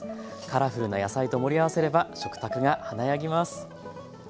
カラフルな野菜と盛り合わせれば食卓が華やぎます。